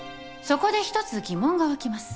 そこで一つ疑問が湧きます。